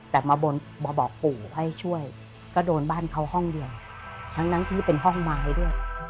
แต่มาบอกปู่ให้ช่วยก็โดนบ้านเขาห้องเดียวทั้งที่เป็นห้องไม้ด้วย